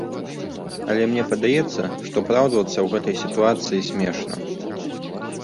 Але мне падаецца, што апраўдвацца ў гэтай сітуацыі смешна.